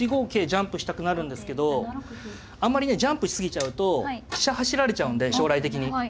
ジャンプしたくなるんですけどあんまりねジャンプし過ぎちゃうと飛車走られちゃうんで将来的に。